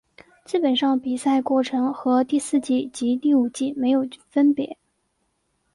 基本上比赛过程和第四季及第五季没有分别。